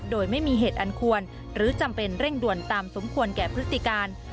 โดยไม่มีเหตุอันควรหรือจำเป็นเร่งด่วนตามสมควรแก่พฤติการ